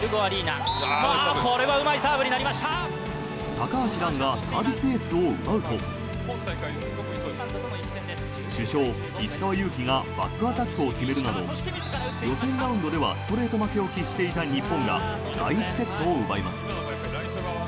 高橋藍がサービスエースを奪うと主将・石川祐希がバックアタックを決めるなど予選ラウンドではストレート負けを喫していた日本が第１セットを奪います。